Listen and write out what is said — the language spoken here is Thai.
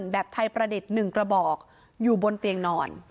แบบไทยประดิษฐ์๑กระบอกอยู่บนเตียงนอน